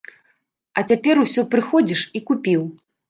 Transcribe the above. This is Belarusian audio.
А цяпер усё прыходзіш і купіў.